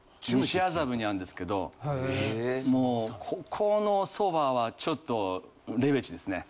西麻布にあるんですけどもうここのそばはちょっとレベチですね。